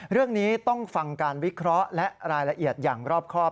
เรื่องนี้ต้องฟังการวิเคราะห์และรายละเอียดอย่างรอบครอบ